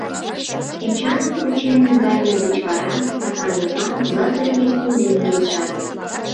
Эчаным кучен наҥгайыме деч вара Стапан Йыван Лазыр Яким дене келшат.